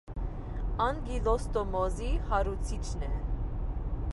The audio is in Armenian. Անկիլոստոմոզի հարուցիչն է։